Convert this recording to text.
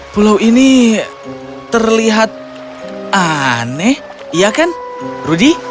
pulau ini terlihat aneh iya kan rudy